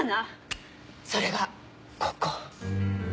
それがここ。